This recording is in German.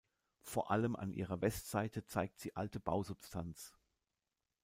Vor allem an ihrer Westseite zeigt sie alte Bausubstanz.